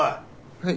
はい？